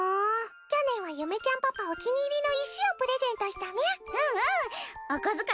去年はゆめちゃんパパお気に入りの石をプレゼントしたみゃ。